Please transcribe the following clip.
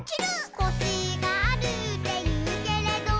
「コシがあるっていうけれど」